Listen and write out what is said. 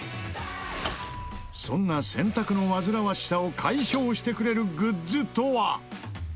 そんな洗濯のわずらわしさを解消してくれるグッズとは？